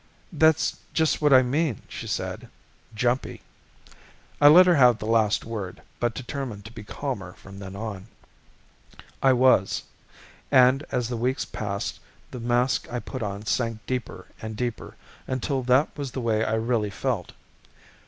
"That's just what I mean," she said. "Jumpy." I let her have the last word but determined to be calmer from then on. I was. And, as the weeks passed, the mask I put on sank deeper and deeper until that was the way I really felt.